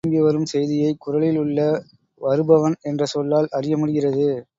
வீரன் திரும்பி வரும் செய்தியைக் குறளில் உள்ள வருபவன் என்ற சொல்லால் அறிய முடிகிறது.